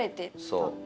そう。